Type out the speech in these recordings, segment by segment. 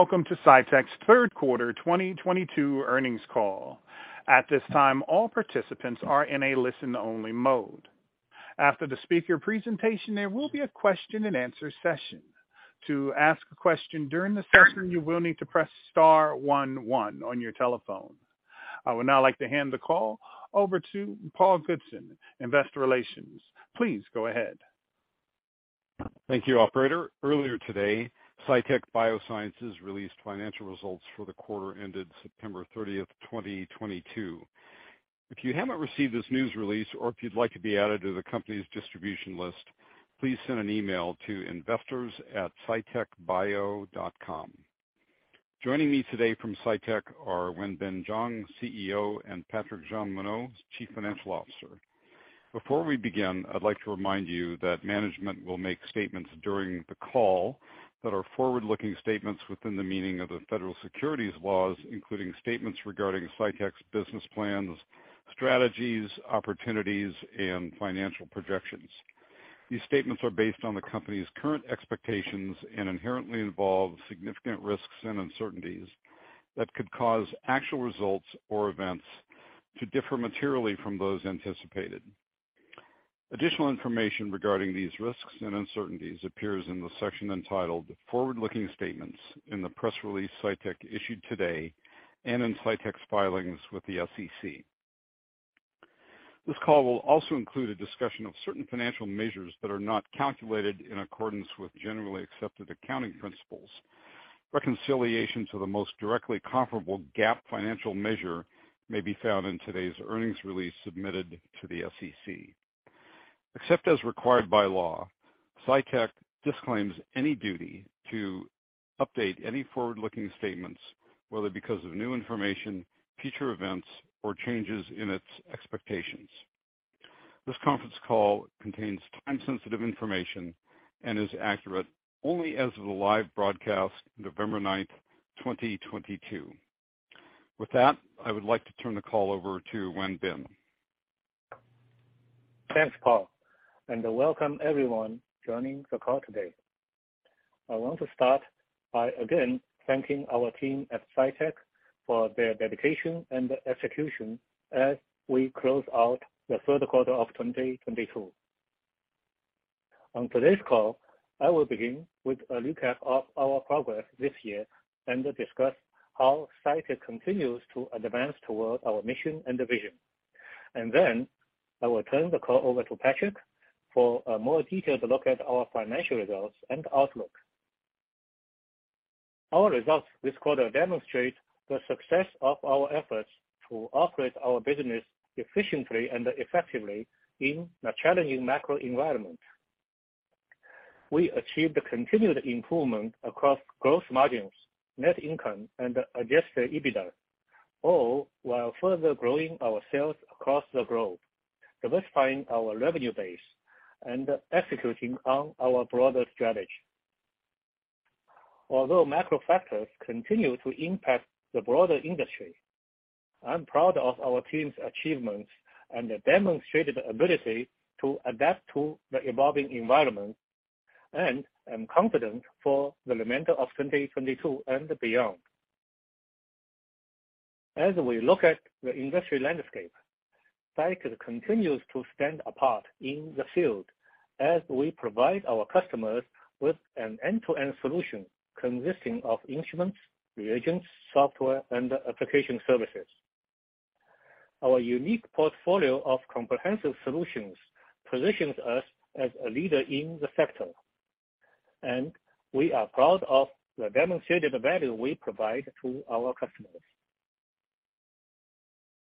Welcome to Cytek's Third Quarter 2022 Earnings Call. At this time, all participants are in a listen-only mode. After the speaker presentation, there will be a question-and-answer session. To ask a question during the session, you will need to press star one one on your telephone. I would now like to hand the call over to Paul Goodson, Investor Relations. Please go ahead. Thank you, operator. Earlier today, Cytek Biosciences released financial results for the quarter ended September 30, 2022. If you haven't received this news release or if you'd like to be added to the company's distribution list, please send an email to investors@cytekbio.com. Joining me today from Cytek are Wenbin Jiang, CEO, and Patrik Jeanmonod, Chief Financial Officer. Before we begin, I'd like to remind you that management will make statements during the call that are forward-looking statements within the meaning of the federal securities laws, including statements regarding Cytek's business plans, strategies, opportunities, and financial projections. These statements are based on the company's current expectations and inherently involve significant risks and uncertainties that could cause actual results or events to differ materially from those anticipated. Additional information regarding these risks and uncertainties appears in the section entitled Forward-Looking Statements in the press release Cytek issued today and in Cytek's filings with the SEC. This call will also include a discussion of certain financial measures that are not calculated in accordance with generally accepted accounting principles. Reconciliations to the most directly comparable GAAP financial measure may be found in today's earnings release submitted to the SEC. Except as required by law, Cytek disclaims any duty to update any forward-looking statements, whether because of new information, future events, or changes in its expectations. This conference call contains time-sensitive information and is accurate only as of the live broadcast, November 9, 2022. With that, I would like to turn the call over to Wenbin. Thanks, Paul, and welcome everyone joining the call today. I want to start by again thanking our team at Cytek for their dedication and execution as we close out the third quarter of 2022. On today's call, I will begin with a recap of our progress this year and discuss how Cytek continues to advance towards our mission and the vision. Then I will turn the call over to Patrik for a more detailed look at our financial results and outlook. Our results this quarter demonstrate the success of our efforts to operate our business efficiently and effectively in a challenging macro environment. We achieved a continued improvement across growth margins, net income, and adjusted EBITDA, all while further growing our sales across the globe, diversifying our revenue base and executing on our broader strategy. Although macro factors continue to impact the broader industry, I'm proud of our team's achievements and the demonstrated ability to adapt to the evolving environment, and I'm confident for the remainder of 2022 and beyond. As we look at the industry landscape, Cytek continues to stand apart in the field as we provide our customers with an end-to-end solution consisting of instruments, reagents, software, and application services. Our unique portfolio of comprehensive solutions positions us as a leader in the sector, and we are proud of the demonstrated value we provide to our customers.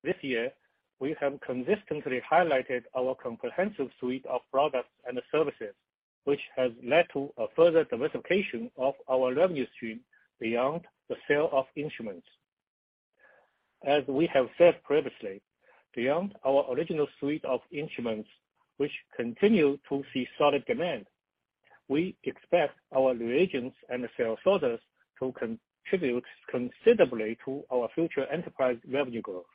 This year, we have consistently highlighted our comprehensive suite of products and services, which has led to a further diversification of our revenue stream beyond the sale of instruments. As we have said previously, beyond our original suite of instruments, which continue to see solid demand, we expect our reagents and sales orders to contribute considerably to our future enterprise revenue growth.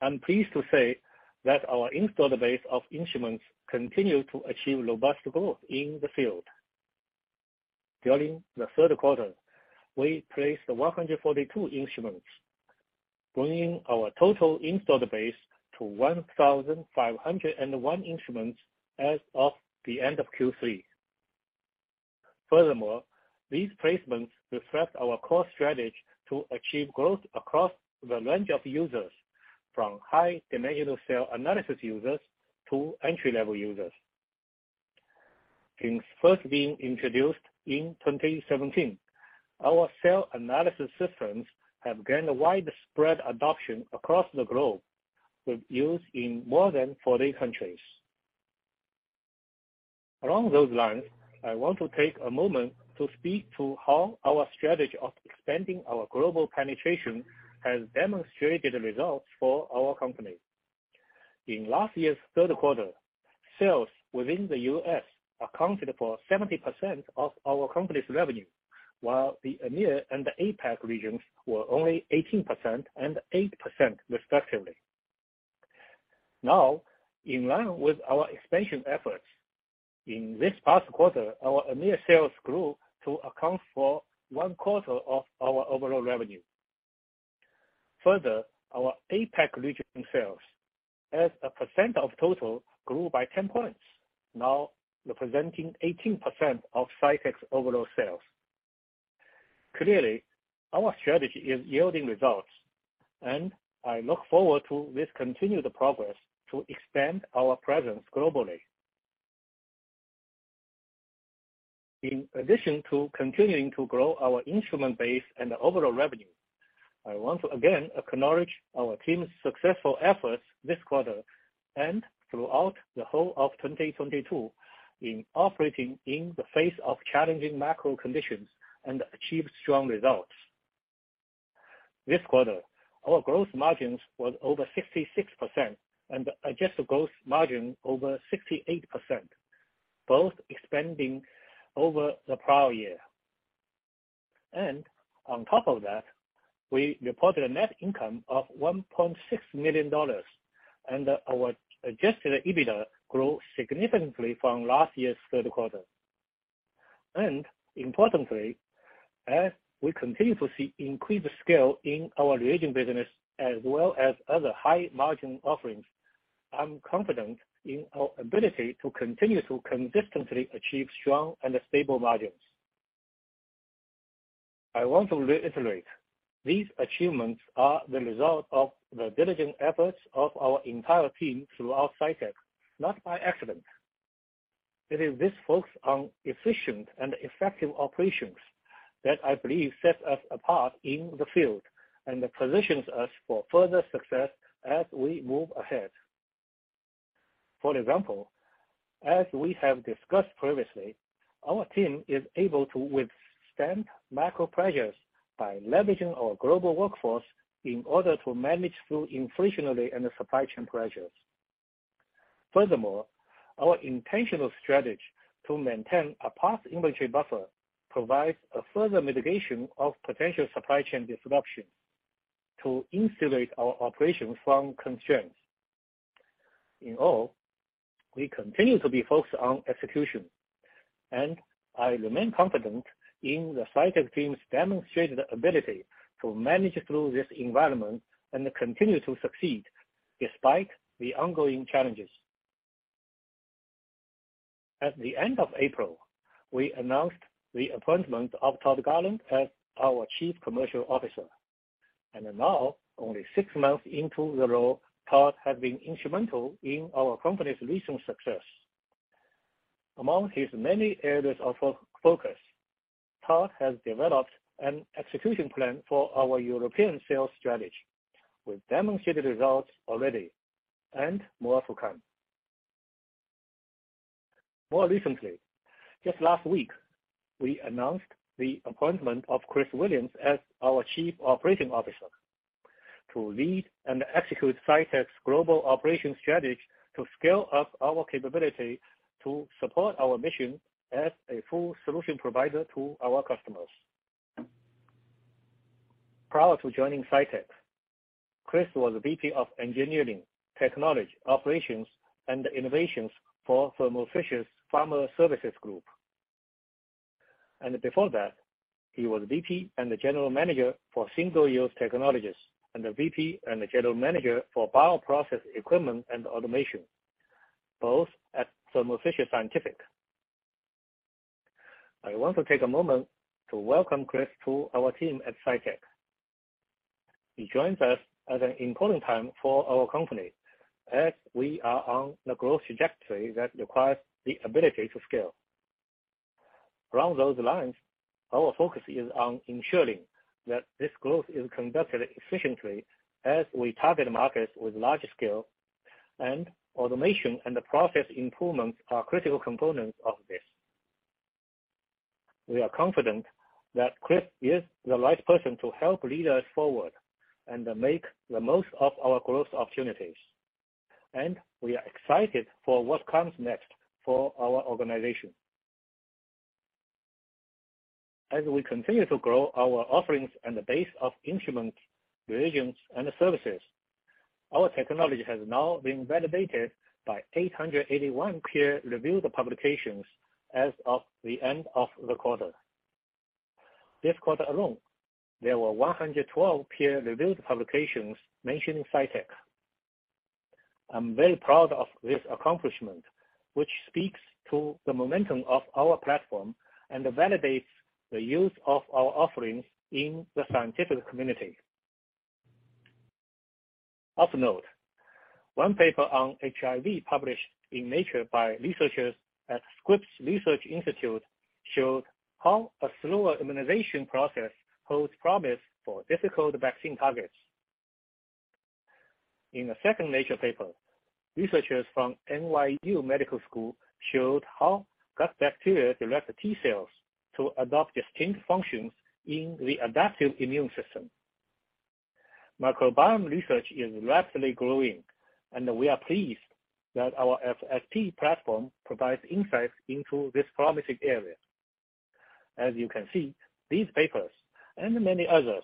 I'm pleased to say that our installed base of instruments continue to achieve robust growth in the field. During the third quarter, we placed 142 instruments, bringing our total installed base to 1,501 instruments as of the end of Q3. Furthermore, these placements reflect our core strategy to achieve growth across the range of users from high-dimensional cell analysis users to entry-level users. Since first being introduced in 2017, our cell analysis systems have gained a widespread adoption across the globe, with use in more than 40 countries. Along those lines, I want to take a moment to speak to how our strategy of expanding our global penetration has demonstrated results for our company. In last year's third quarter, sales within the U.S. accounted for 70% of our company's revenue, while the EMEA and the APAC regions were only 18% and 8%, respectively. Now, in line with our expansion efforts, in this past quarter, our EMEA sales grew to account for one quarter of our overall revenue. Further, our APAC region sales as a percent of total grew by 10 points, now representing 18% of Cytek's overall sales. Clearly, our strategy is yielding results, and I look forward to this continued progress to expand our presence globally. In addition to continuing to grow our instrument base and overall revenue, I once again acknowledge our team's successful efforts this quarter and throughout the whole of 2022 in operating in the face of challenging macro conditions and achieve strong results. This quarter, our gross margins were over 66% and adjusted gross margin over 68%, both expanding over the prior year. On top of that, we reported a net income of $1.6 million. Our adjusted EBITDA grew significantly from last year's third quarter. Importantly, as we continue to see increased scale in our reagent business as well as other high-margin offerings, I'm confident in our ability to continue to consistently achieve strong and stable margins. I want to reiterate, these achievements are the result of the diligent efforts of our entire team throughout Cytek, not by accident. It is this focus on efficient and effective operations that I believe sets us apart in the field and positions us for further success as we move ahead. For example, as we have discussed previously, our team is able to withstand macro pressures by leveraging our global workforce in order to manage through inflationary and supply chain pressures. Furthermore, our intentional strategy to maintain a path inventory buffer provides a further mitigation of potential supply chain disruptions to insulate our operations from constraints. In all, we continue to be focused on execution. I remain confident in the Cytek team's demonstrated ability to manage through this environment and continue to succeed despite the ongoing challenges. At the end of April, we announced the appointment of Todd Garland as our Chief Commercial Officer. Now, only six months into the role, Todd has been instrumental in our company's recent success. Among his many areas of focus, Todd has developed an execution plan for our European sales strategy with demonstrated results already and more to come. More recently, just last week, we announced the appointment of Chris Williams as our Chief Operating Officer to lead and execute Cytek's global operations strategy to scale up our capability to support our mission as a full solution provider to our customers. Prior to joining Cytek, Chris was VP of engineering, technology, operations, and innovations for Thermo Fisher's Pharma Services Group. Before that, he was VP and the General Manager for single-use technologies and the VP and the General Manager for bioprocess equipment and automation, both at Thermo Fisher Scientific. I want to take a moment to welcome Chris to our team at Cytek. He joins us at an important time for our company as we are on the growth trajectory that requires the ability to scale. Around those lines, our focus is on ensuring that this growth is conducted efficiently as we target markets with larger scale and automation, and the process improvements are critical components of this. We are confident that Chris is the right person to help lead us forward and make the most of our growth opportunities. We are excited for what comes next for our organization. As we continue to grow our offerings and the base of instruments, reagents, and services, our technology has now been validated by 881 peer-reviewed publications as of the end of the quarter. This quarter alone, there were 112 peer-reviewed publications mentioning Cytek. I'm very proud of this accomplishment, which speaks to the momentum of our platform and validates the use of our offerings in the scientific community. Of note, one paper on HIV, published in Nature by researchers at The Scripps Research Institute, showed how a slower immunization process holds promise for difficult vaccine targets. In a second Nature paper, researchers from NYU Grossman School of Medicine showed how gut bacteria direct T-cells to adopt distinct functions in the adaptive immune system. Microbiome research is rapidly growing, and we are pleased that our FSP platform provides insights into this promising area. As you can see, these papers and many others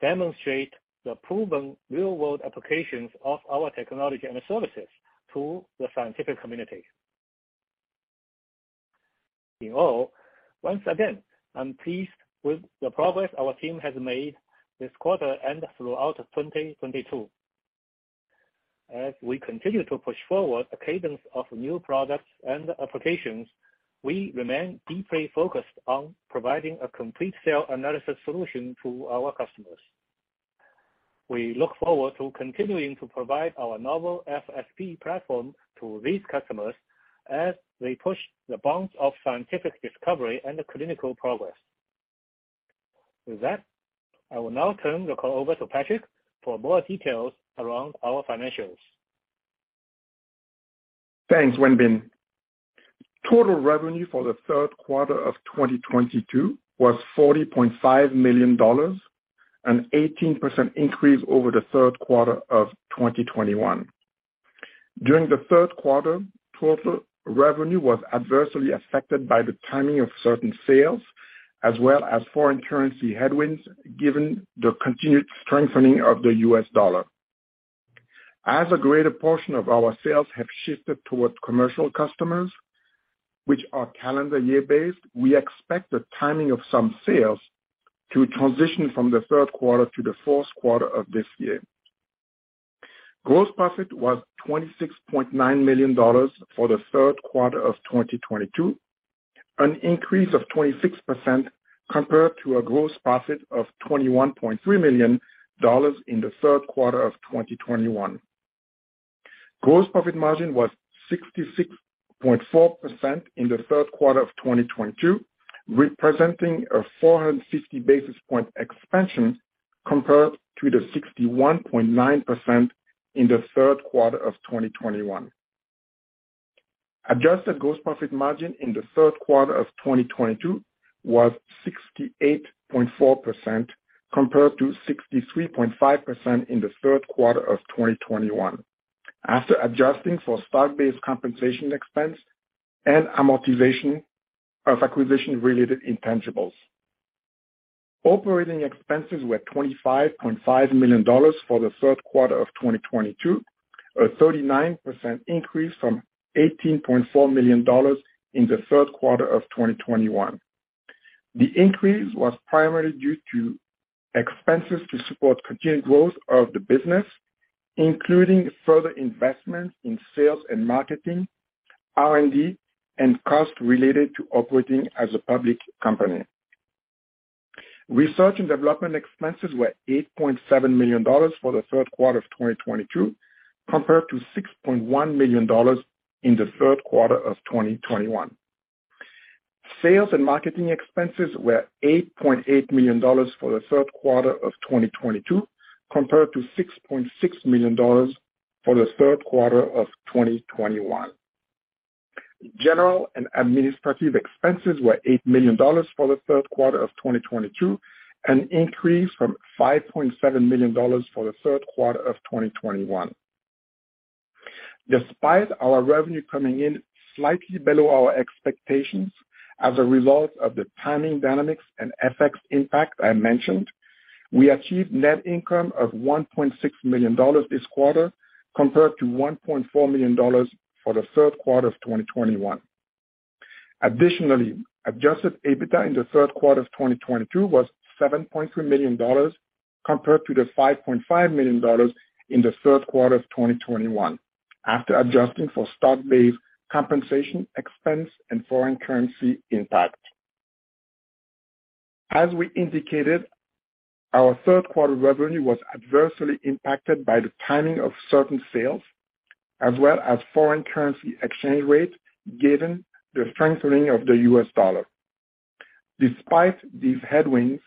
demonstrate the proven real-world applications of our technology and services to the scientific community. In all, once again, I'm pleased with the progress our team has made this quarter and throughout 2022. As we continue to push forward a cadence of new products and applications, we remain deeply focused on providing a complete cell analysis solution to our customers. We look forward to continuing to provide our novel FSP platform to these customers as they push the bounds of scientific discovery and clinical progress. With that, I will now turn the call over to Patrik for more details around our financials. Thanks, Wenbin. Total revenue for the third quarter of 2022 was $40.5 million, an 18% increase over the third quarter of 2021. During the third quarter, total revenue was adversely affected by the timing of certain sales as well as foreign currency headwinds, given the continued strengthening of the US dollar. As a greater portion of our sales have shifted towards commercial customers, which are calendar year-based, we expect the timing of some sales to transition from the third quarter to the fourth quarter of this year. Gross profit was $26.9 million for the third quarter of 2022, an increase of 26% compared to a gross profit of $21.3 million in the third quarter of 2021. Gross profit margin was 66.4% in the third quarter of 2022, representing a 450 basis point expansion compared to the 61.9% in the third quarter of 2021. Adjusted gross profit margin in the third quarter of 2022 was 68.4% compared to 63.5% in the third quarter of 2021, after adjusting for stock-based compensation expense and amortization of acquisition-related intangibles. Operating expenses were $25.5 million for the third quarter of 2022, a 39% increase from $18.4 million in the third quarter of 2021. The increase was primarily due to expenses to support continued growth of the business, including further investments in sales and marketing, R&D, and costs related to operating as a public company. Research and development expenses were $8.7 million for the third quarter of 2022, compared to $6.1 million in the third quarter of 2021. Sales and marketing expenses were $8.8 million for the third quarter of 2022, compared to $6.6 million for the third quarter of 2021. General and administrative expenses were $8 million for the third quarter of 2022, an increase from $5.7 million for the third quarter of 2021. Despite our revenue coming in slightly below our expectations as a result of the timing dynamics and FX impact I mentioned, we achieved net income of $1.6 million this quarter, compared to $1.4 million for the third quarter of 2021. Adjusted EBITDA in the third quarter of 2022 was $7.3 million, compared to the $5.5 million in the third quarter of 2021, after adjusting for stock-based compensation expense and foreign currency impact. As we indicated, our third quarter revenue was adversely impacted by the timing of certain sales as well as foreign currency exchange rate, given the strengthening of the U.S. dollar. Despite these headwinds,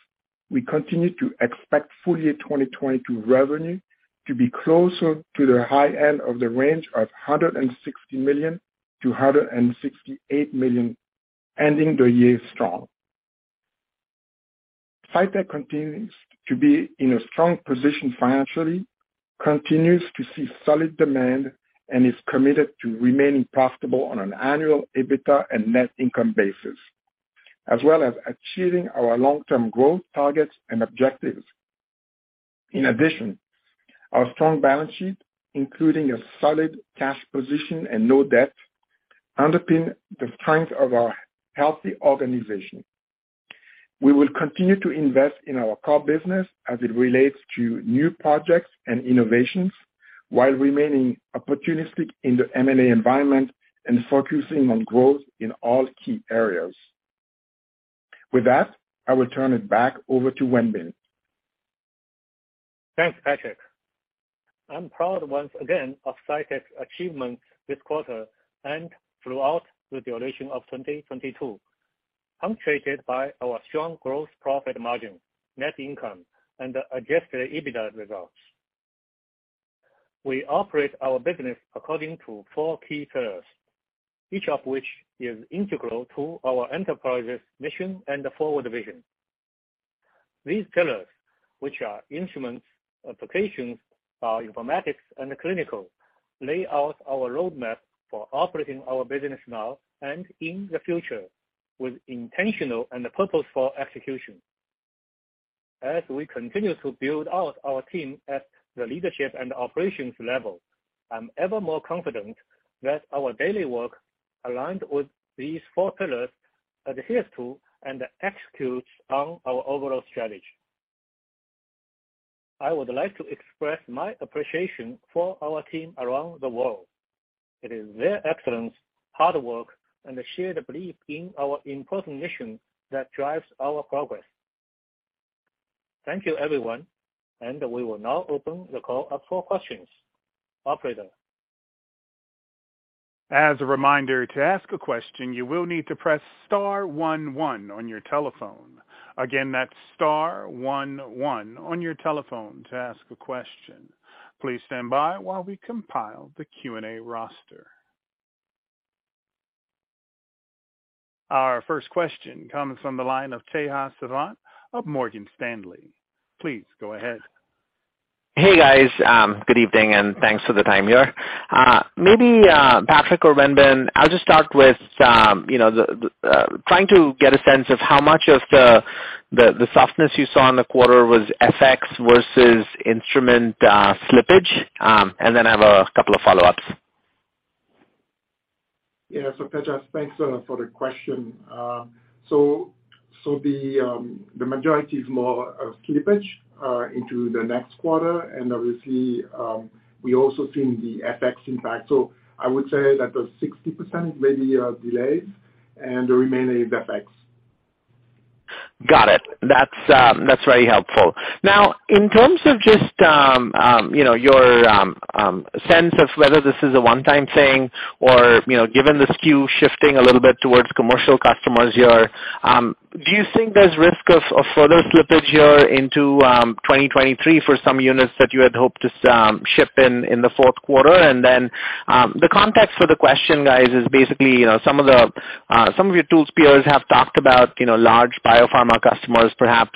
we continue to expect full-year 2022 revenue to be closer to the high end of the range of $160-168 million, ending the year strong. Cytek continues to be in a strong position financially, continues to see solid demand, and is committed to remaining profitable on an annual EBITDA and net income basis, as well as achieving our long-term growth targets and objectives. In addition, our strong balance sheet, including a solid cash position and no debt, underpin the strength of our healthy organization. We will continue to invest in our core business as it relates to new projects and innovations while remaining opportunistic in the M&A environment and focusing on growth in all key areas. With that, I will turn it back over to Wenbin. Thanks, Patrik. I'm proud once again of Cytek's achievements this quarter and throughout the duration of 2022, punctuated by our strong gross profit margin, net income, and adjusted EBITDA results. We operate our business according to four key pillars, each of which is integral to our enterprise's mission and forward vision. These pillars, which are instruments, applications, informatics and clinical, lay out our roadmap for operating our business now and in the future with intentional and purposeful execution. As we continue to build out our team at the leadership and operations level, I'm ever more confident that our daily work, aligned with these four pillars, adheres to and executes on our overall strategy. I would like to express my appreciation for our team around the world. It is their excellence, hard work and shared belief in our important mission that drives our progress. Thank you, everyone, and we will now open the call up for questions. Operator? As a reminder, to ask a question, you will need to press star one one on your telephone. Again, that's star one one on your telephone to ask a question. Please stand by while we compile the Q&A roster. Our first question comes from the line of Tejas Savant of Morgan Stanley. Please go ahead. Hey, guys. Good evening, and thanks for the time here. Maybe Patrik or Wenbin, I'll just start with you know, trying to get a sense of how much of the softness you saw in the quarter was FX versus instrument slippage. Then I have a couple of follow-ups. Yeah. Tejas, thanks for the question. The majority is more of slippage into the next quarter, and obviously, we also seen the FX impact. I would say that the 60% may be delays and the remaining is FX. Got it. That's very helpful. Now, in terms of just, you know, your sense of whether this is a one-time thing or, you know, given the SKU shifting a little bit towards commercial customers here, do you think there's risk of further slippage here into 2023 for some units that you had hoped to ship in the fourth quarter? The context for the question, guys, is basically, you know, some of your tools peers have talked about, you know, large biopharma customers perhaps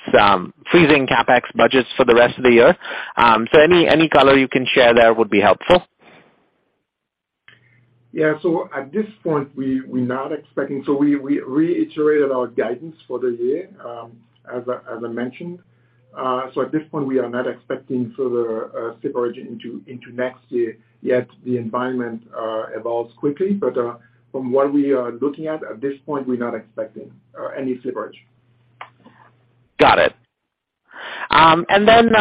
freezing CapEx budgets for the rest of the year. Any color you can share there would be helpful. We reiterated our guidance for the year, as I mentioned. At this point, we are not expecting further slippage into next year, yet the environment evolves quickly. From what we are looking at this point, we're not expecting any slippage. Got it. And then,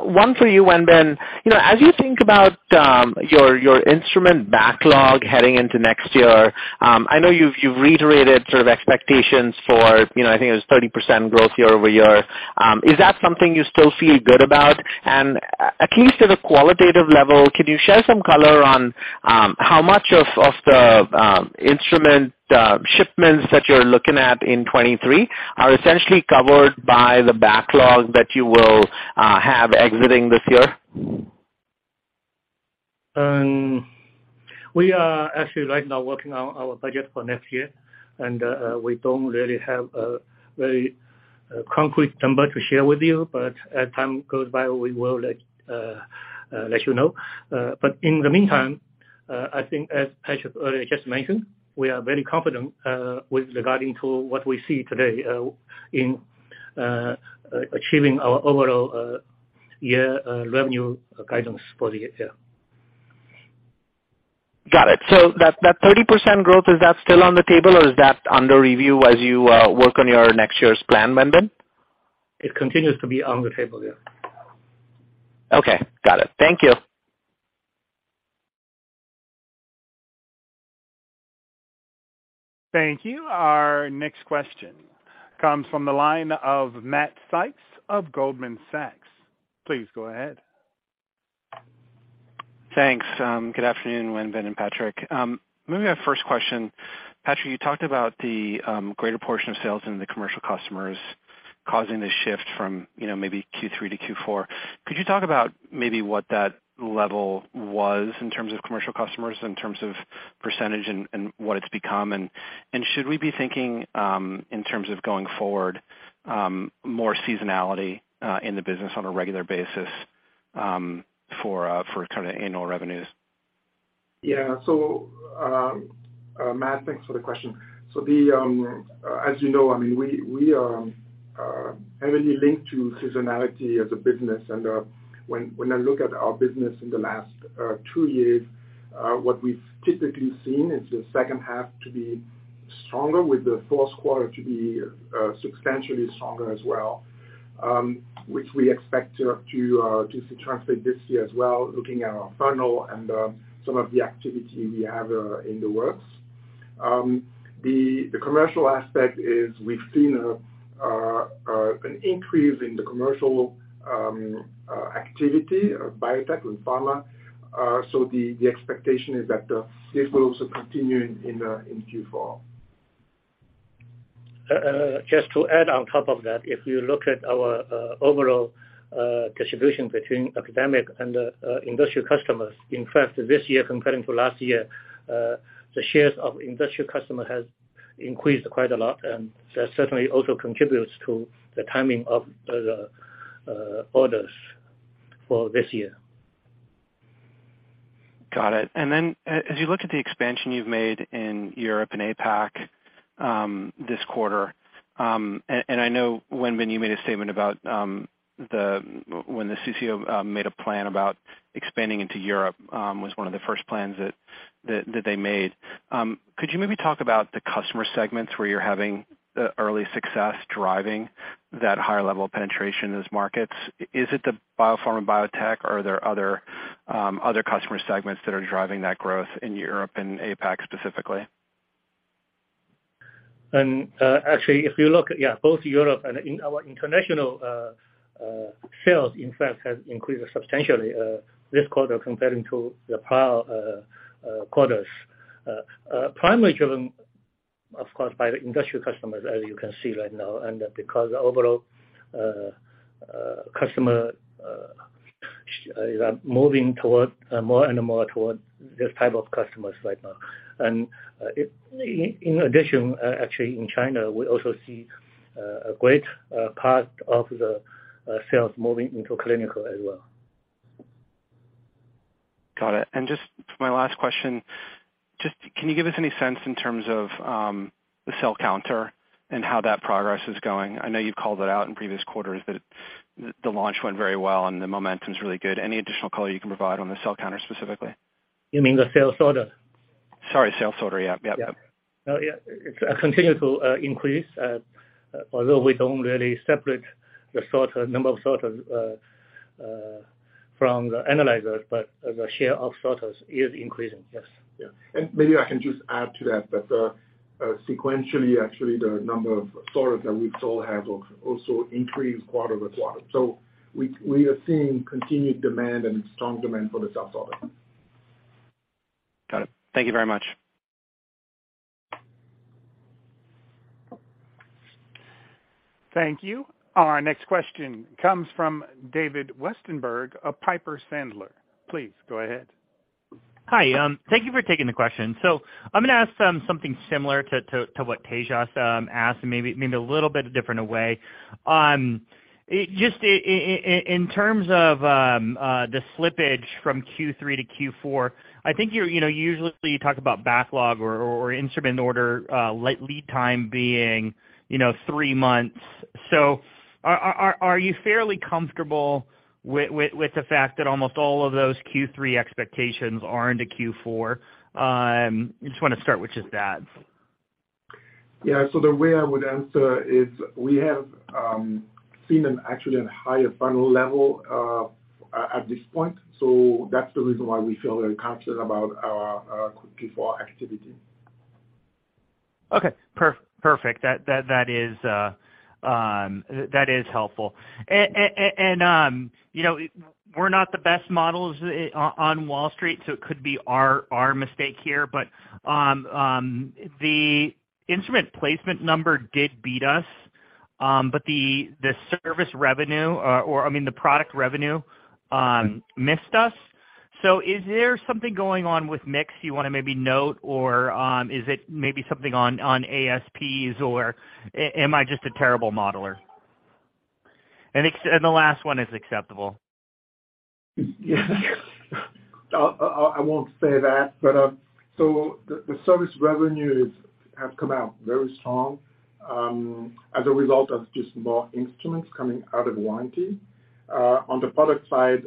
one for you, Wenbin. You know, as you think about your instrument backlog heading into next year, I know you've reiterated sort of expectations for, you know, I think it was 30% growth year-over-year. Is that something you still feel good about? At least at a qualitative level, can you share some color on how much of the instrument shipments that you're looking at in 2023 are essentially covered by the backlog that you will have exiting this year? We are actually right now working on our budget for next year. We don't really have a very concrete number to share with you, but as time goes by, we will let you know. In the meantime, I think as Tejas earlier just mentioned, we are very confident with regarding to what we see today in achieving our overall year revenue guidance for the year. Got it. That 30% growth, is that still on the table or is that under review as you work on your next year's plan, Wenbin? It continues to be on the table, yeah. Okay. Got it. Thank you. Thank you. Our next question comes from the line of Matt Sykes of Goldman Sachs. Please go ahead. Thanks. Good afternoon, Wenbin and Patrik. Moving to my first question. Patrik, you talked about the greater portion of sales in the commercial customers causing the shift from, you know, maybe Q3 to Q4. Could you talk about maybe what that level was in terms of commercial customers, in terms of percentage and what it's become? Should we be thinking in terms of going forward more seasonality in the business on a regular basis for kind of annual revenues? Yeah. Matt, thanks for the question. As you know, I mean, we are heavily linked to seasonality as a business. When I look at our business in the last two years, what we've typically seen is the second half to be stronger with the fourth quarter to be substantially stronger as well, which we expect to see translate this year as well, looking at our funnel and some of the activity we have in the works. The commercial aspect is we've seen an increase in the commercial activity of biotech and pharma. The expectation is that this will also continue in Q4. Just to add on top of that, if you look at our overall distribution between academic and industrial customers, in fact, this year comparing to last year, the shares of industrial customer has increased quite a lot, and that certainly also contributes to the timing of the orders for this year. Got it. As you look at the expansion you've made in Europe and APAC this quarter, I know, Wenbin, you made a statement about when the CCO made a plan about expanding into Europe, was one of the first plans that they made. Could you maybe talk about the customer segments where you're having early success driving that higher level of penetration in those markets? Is it the biopharma biotech or are there other customer segments that are driving that growth in Europe and APAC specifically? Actually, if you look, both in Europe and in our international sales in fact has increased substantially this quarter compared to the prior quarters. Primarily driven, of course, by the industrial customers as you can see right now, and because the overall customers are moving toward more and more toward this type of customers right now. In addition, actually in China, we also see a great part of the sales moving into clinical as well. Got it. Just for my last question, just can you give us any sense in terms of the cell counter and how that progress is going? I know you've called it out in previous quarters that the launch went very well and the momentum's really good. Any additional color you can provide on the cell counter specifically? You mean the cell sorter? Sorry, cell sorter. Yeah, yeah. Yeah. Oh, yeah. It's continued to increase. Although we don't really separate the sorter, number of sorters, from the analyzers, but the share of sorters is increasing. Yes. Yeah. Maybe I can just add to that sequentially, actually, the number of sorters that we've sold have also increased quarter-over-quarter. We are seeing continued demand and strong demand for the cell sorter. Got it. Thank you very much. Thank you. Our next question comes from David Westenberg of Piper Sandler. Please go ahead. Hi. Thank you for taking the question. I'm gonna ask something similar to what Tejas asked, and maybe a little bit different way. Just in terms of the slippage from Q3 to Q4, I think you're, you know, usually you talk about backlog or instrument order, like lead time being, you know, three months. Are you fairly comfortable with the fact that almost all of those Q3 expectations are into Q4? I just wanna start with just that. Yeah. The way I would answer is we have seen, actually, a higher funnel level at this point. That's the reason why we feel very confident about our Q4 activity. Perfect. That is helpful. You know, we're not the best models on Wall Street, so it could be our mistake here, but the instrument placement number did beat us, but the service revenue, or I mean, the product revenue, missed us. Is there something going on with mix you wanna maybe note or, is it maybe something on ASPs or am I just a terrible modeler? The last one is acceptable. Yeah. I won't say that, but so the service revenues have come out very strong, as a result of just more instruments coming out of warranty. On the product side,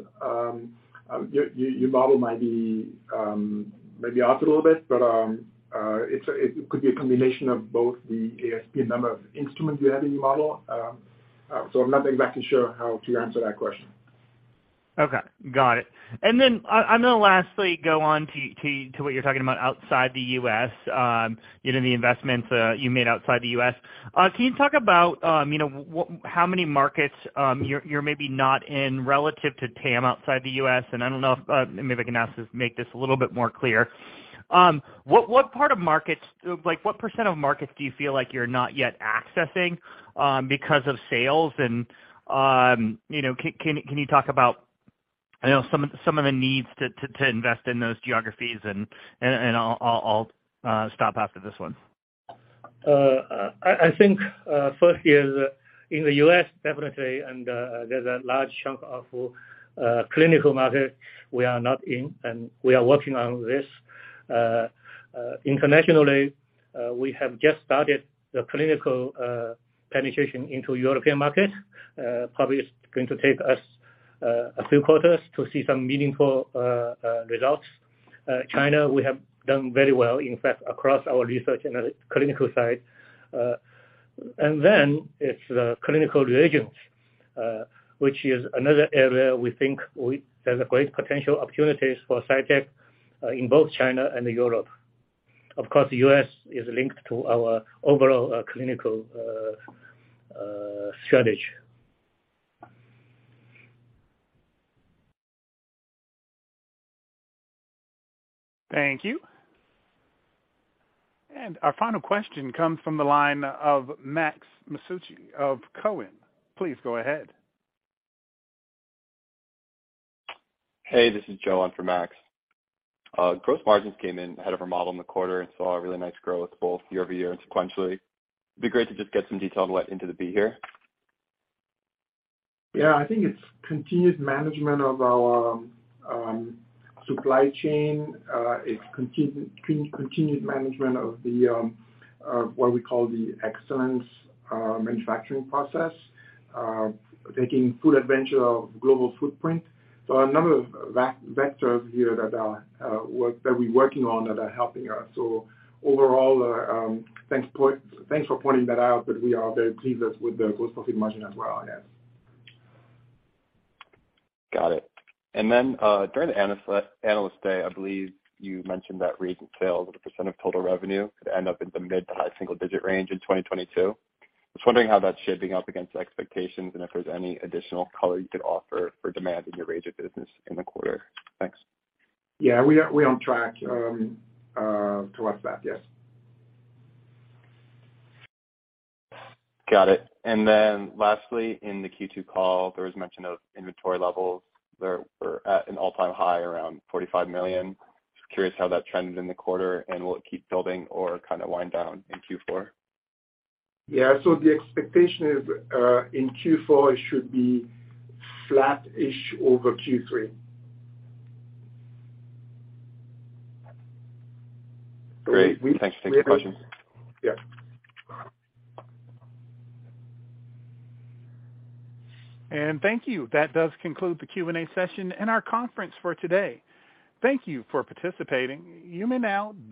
your model might be maybe off a little bit, but it could be a combination of both the ASP number of instruments you have in your model. I'm not exactly sure how to answer that question. Okay. Got it. Then I'm gonna lastly go on to what you're talking about outside the U.S., you know, the investments you made outside the U.S. Can you talk about, you know, how many markets you're maybe not in relative to TAM outside the U.S.? I don't know if maybe I can ask this, make this a little bit more clear. What part of markets, like, what percent of markets do you feel like you're not yet accessing because of sales? You know, can you talk about, you know, some of the needs to invest in those geographies? I'll stop after this one. I think first is in the U.S., definitely, and there's a large chunk of clinical market we are not in, and we are working on this. Internationally, we have just started the clinical penetration into European market. Probably it's going to take us a few quarters to see some meaningful results. China, we have done very well, in fact, across our research and clinical side. And then it's the clinical reagents, which is another area we think we have great potential opportunities for Cytek in both China and Europe. Of course, the U.S. is linked to our overall clinical strategy. Thank you. Our final question comes from the line of Max Masucci of Cowen. Please go ahead. Hey, this is Joan for Max. Gross margins came in ahead of our model in the quarter and saw a really nice growth both year-over-year and sequentially. It'd be great to just get some detail into the beat here. Yeah. I think it's continued management of our supply chain. It's continued management of what we call the excellence manufacturing process, taking full advantage of global footprint. A number of vectors here that we're working on that are helping us. Overall, thanks for pointing that out, but we are very pleased with the gross profit margin as well. Yes. Got it. During the analyst day, I believe you mentioned that reagent sales as a % of total revenue could end up in the mid- to high-single-digit range in 2022. I was wondering how that's shaping up against expectations, and if there's any additional color you could offer for demand in your reagent business in the quarter. Thanks. Yeah. We are on track towards that. Yes. Got it. Lastly, in the Q2 call, there was mention of inventory levels that were at an all-time high around $45 million. Just curious how that trends in the quarter, and will it keep building or kinda wind down in Q4? Yeah. The expectation is, in Q4, it should be flattish over Q3. Great. Thank you. Yeah. Thank you. That does conclude the Q&A session and our conference for today. Thank you for participating. You may now di-